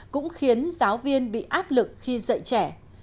cũng khiến giáo viên bị áp lực khi dạy trẻ